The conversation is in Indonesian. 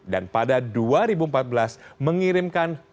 dan pada dua ribu empat belas mengirimkan